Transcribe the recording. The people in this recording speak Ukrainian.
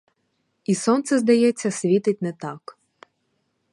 І сонце, здається, світить не так.